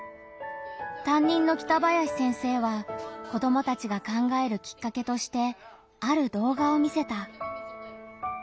担任の北林先生は子どもたちが考えるきっかけとしてある動画を見せた。